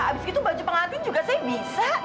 abis itu baju pengantin juga saya bisa